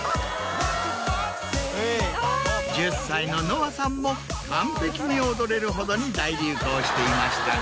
１０歳の乃愛さんも完璧に踊れるほどに大流行していましたが。